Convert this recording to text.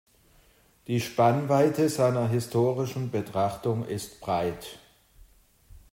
Die Spannweite seiner historischen Betrachtung ist breit.